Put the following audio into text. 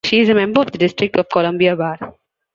She is a member of the District of Columbia Bar.